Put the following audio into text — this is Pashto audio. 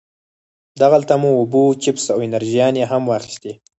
دغلته مو اوبه، چپس او انرژيانې هم واخيستې.